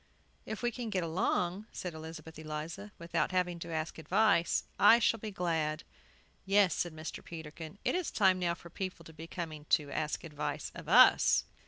"If we can get along," said Elizabeth Eliza, "without having to ask advice, I shall be glad!" "Yes," said Mr. Peterkin, "It is time now for people to be coming to ask advice of us."